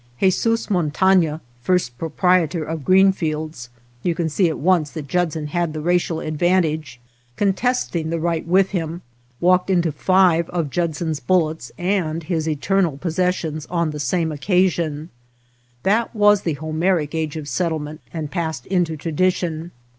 J) Jesus Montafia, first proprietor of Green fields, — you can see at once that Judson had the racial advantage, — contesting the right with him, walked into five of Judson's 226 OTHER WATER BORDERS bullets and his eternal possessions on the same occasion. That was the Homeric age of settlement and passed into tradition.